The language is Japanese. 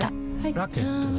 ラケットは？